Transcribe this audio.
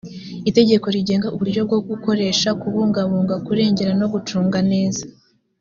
itegeko rigena uburyo bwo gukoresha kubungabunga kurengera no gucunga neza